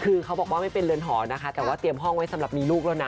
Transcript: คือเขาบอกว่าไม่เป็นเรือนหอนะคะแต่ว่าเตรียมห้องไว้สำหรับมีลูกแล้วนะ